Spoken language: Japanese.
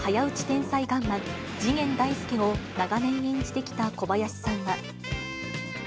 天才ガンマン、次元大介を長年演じてきた小林さんは。